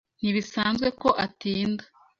Ntibisanzwe ko atinda.